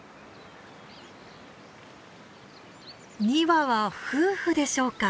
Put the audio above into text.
２羽は夫婦でしょうか。